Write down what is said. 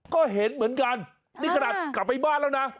ก็เห็นเหมือนกันนี่ขนาดกลับไปบ้านแล้วนะ